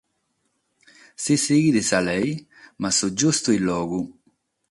Si sighit sa lege, ma su giustu illogu.